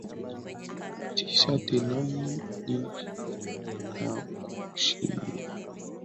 tisa themanini Licha ya kushindwa katika kinyanganyiro hicho mwanasiasa mwenzake wa chama cha kingine